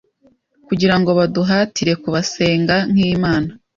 Kugira ngo baduhatire kubasenga nkimana